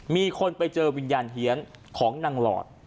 มีคนไปเจอวิญญาณเฮียนของนางหลอด